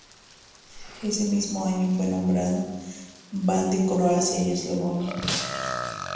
Ese mismo año fue nombrado ban de Croacia y Eslavonia.